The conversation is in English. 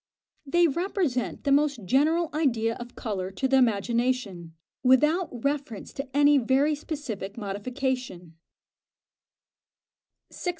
They represent the most general idea of colour to the imagination, without reference to any very specific modification. 611.